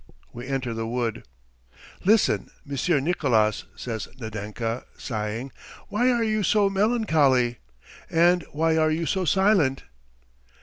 We enter the wood. "Listen, Monsieur Nicolas," says Nadenka, sighing. "Why are you so melancholy? And why are you so silent?"